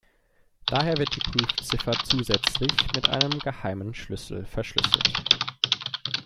Daher wird die Prüfziffer zusätzlich mit einem geheimen Schlüssel verschlüsselt.